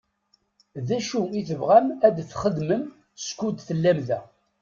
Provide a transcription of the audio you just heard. D acu i tebɣam ad t-txedmem skud tellam da?